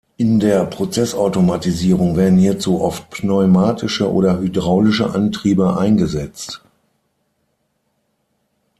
In der Prozessautomatisierung werden hierzu oft pneumatische oder hydraulische Antriebe eingesetzt.